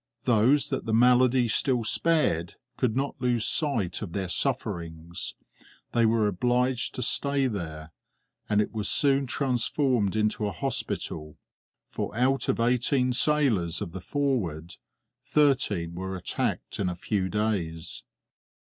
Those that the malady still spared could not lose sight of their sufferings; they were obliged to stay there, and it was soon transformed into a hospital, for out of eighteen sailors of the Forward, thirteen were attacked in a few days.